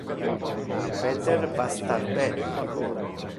Peter va star ben.